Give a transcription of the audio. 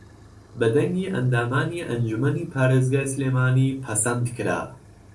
بە دەنگی ئەندامانی ئەنجوومەنی پارێزگای سلێمانی پەسەندکرا